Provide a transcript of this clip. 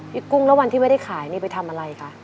กุ้งแล้ววันที่ไม่ได้ขายนี่ไปทำอะไรคะ